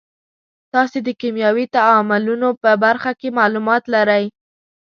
تاسې د کیمیاوي تعاملونو په برخه کې معلومات لرئ.